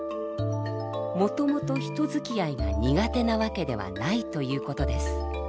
もともと人づきあいが苦手なわけではないということです。